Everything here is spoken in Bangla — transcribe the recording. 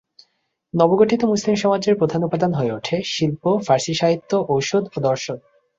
নবগঠিত মুসলিম সমাজের প্রধান উপাদান হয়ে উঠে শিল্প, ফার্সী সাহিত্য, ঔষধ ও দর্শন।